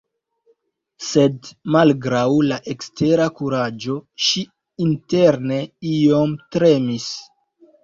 Sed malgraŭ la ekstera kuraĝo, ŝi interne iom tremis.